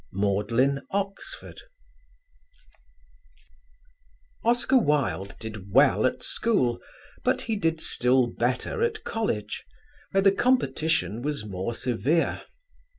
CHAPTER III Oscar Wilde did well at school, but he did still better at college, where the competition was more severe.